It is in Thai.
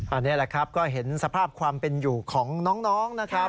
อันนี้แหละครับก็เห็นสภาพความเป็นอยู่ของน้องนะครับ